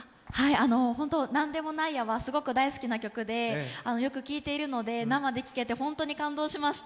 本当に「なんでもないよ、」はすごく大好きな曲で、よく聞いているので、生で聞けて本当に感動しました。